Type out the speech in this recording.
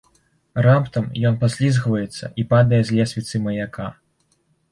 Раптам, ён паслізгваецца і падае з лесвіцы маяка.